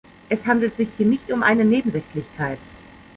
Es handelt sich hier nicht um eine Nebensächlichkeit.